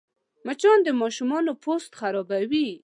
مچان د ماشوم پوست خرابوي